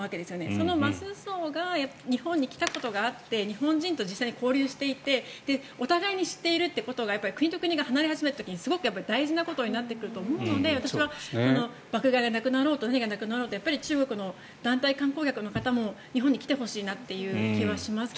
そのマス層が日本に来たことがあって日本人と実際に交流していてお互いに知っていることが国と国が離れた始めた時に大事になってくると思うので私は爆買いがなくなろうとやっぱり中国の団体観光客の方も日本に来てほしい気がします。